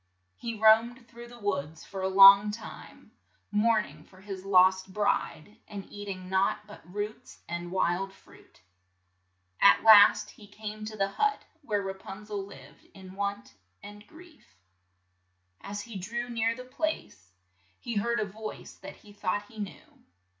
He roamed through the woods for a long time, mourn ing for his lost bride, and eat ing naught but roots and wild fruit. At last he came to the hut where Ra pun zel lived in want and grief. As he drew near the place, he heard a voice that he thought he knew.